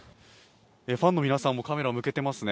ファンの皆さんもカメラを向けていますね。